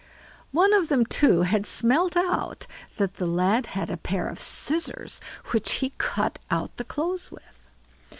One of them, too, had smelt out that the lad had a pair of scissors which he cut out the clothes with.